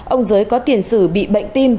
ông giới có tiền sử bị bệnh tim